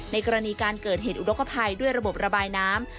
กรณีการเกิดเหตุอุดกภัยด้วยระบบระบายน้ำ